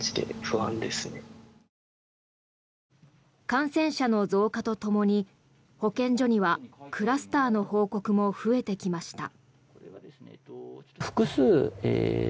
感染者の増加とともに保健所にはクラスターの報告も増えてきました。